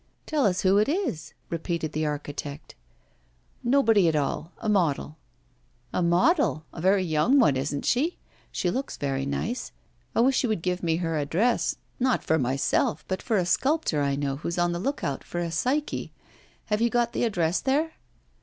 'Tell us who it is?' repeated the architect. 'Nobody at all a model.' 'A model! a very young one, isn't she? She looks very nice. I wish you would give me her address. Not for myself, but for a sculptor I know who's on the look out for a Psyche. Have you got the address there?